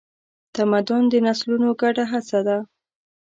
تمدن د نسلونو ګډه هڅه ده.